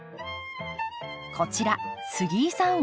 こちら杉井さん